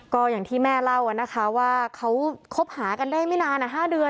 ก็อย่างที่แม่เล่านะคะว่าเขาคบหากันได้ไม่นาน๕เดือน